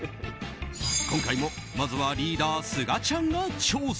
今回も、まずはリーダーすがちゃんが挑戦。